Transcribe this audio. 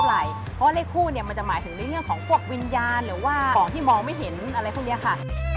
เพราะว่าเลขคู่เนี่ยมันจะหมายถึงในเรื่องของพวกวิญญาณหรือว่าของที่มองไม่เห็นอะไรพวกนี้ค่ะ